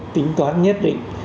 tính toán nhất định